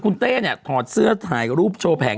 คุณเต้เนี่ยถอดเสื้อถ่ายรูปโชว์แผง